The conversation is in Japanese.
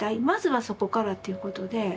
まずはそこからっていうことで。